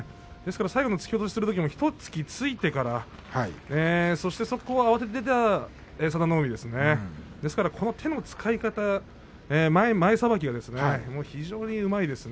最後の突き押しのときもひと突きしながらそこで慌てて出た佐田の海ですが手の使い方前さばきが非常にうまいですね。